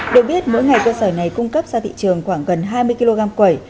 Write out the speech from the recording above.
được biết mỗi ngày cơ sở này cung cấp ra thị trường khoảng gần hai mươi kg quẩy